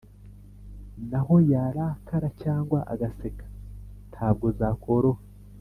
naho yarakara cyangwa agaseka ntabwo zakoroha